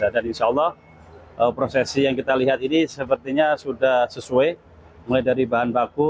dan insya allah prosesi yang kita lihat ini sepertinya sudah sesuai mulai dari bahan baku